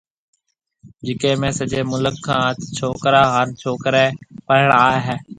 جيڪيَ ۾ سجيَ مُلڪ کان ڇوڪرا ھان ڇوڪرَي پڙھڻ آئيَ ھيََََ